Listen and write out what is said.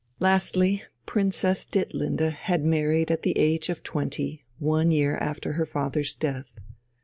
Lastly, Princess Ditlinde had married at the age of twenty, one year after her father's death.